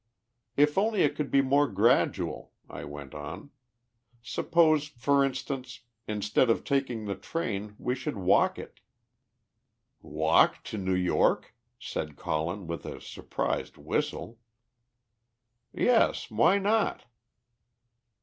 "If only it could be more gradual," I went on. "Suppose, for instance, instead of taking the train, we should walk it!" "Walk to New York?" said Colin, with a surprised whistle. "Yes! Why not?"